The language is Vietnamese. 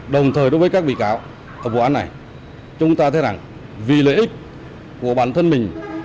đồng thời đối với các bị cáo ở vụ án này chúng ta thấy rằng vì lợi ích của bản thân mình